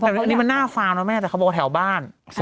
แต่อันนี้มันหน้าฟาร์มนะแม่แต่เขาบอกว่าแถวบ้าน